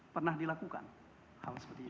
pernah dilakukan hal seperti ini